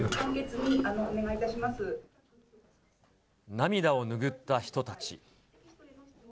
涙を拭った人たち。